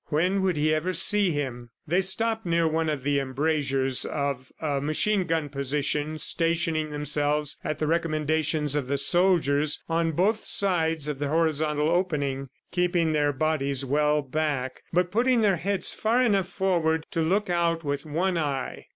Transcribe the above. When would he ever see him? They stopped near one of the embrasures of a machine gun position stationing themselves at the recommendations of the soldiers, on both sides of the horizontal opening, keeping their bodies well back, but putting their heads far enough forward to look out with one eye.